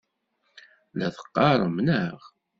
La t-teqqarem, naɣ?